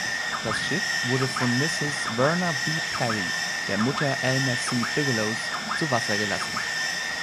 Das Schiff wurde von Mrs. Verna B. Perry, der Mutter Elmer C. Bigelows, zu Wasser gelassen.